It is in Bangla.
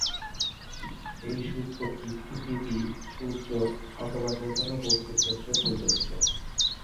এই সূত্রটি পৃথিবী, সূর্য অথবা যেকোনো বস্তুর ক্ষেত্রে প্রযোজ্য।